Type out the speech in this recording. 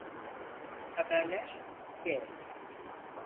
Haberler g